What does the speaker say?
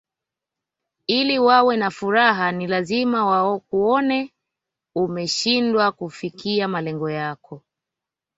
Ili wawe na furaha ni lazina wakuone umeshindwa kufikia malengi yako